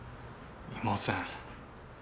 いません。